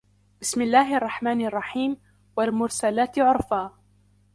بسم الله الرحمن الرحيم والمرسلات عرفا